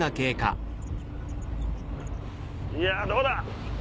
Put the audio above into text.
いやどうだ？